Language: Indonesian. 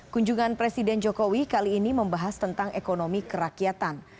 kunjungan presiden jokowi kali ini membahas tentang ekonomi kerakyatan